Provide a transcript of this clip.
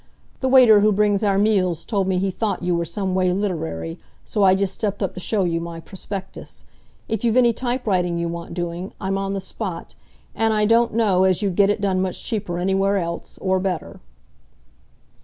The waiter who brings our meals told me he thought you were some way literary, so I just stepped up to show you my prospectus. If you've any typewriting you want doing, I'm on the spot, and I don't know as you'd get it done much cheaper anywhere else or better."